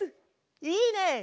いいね！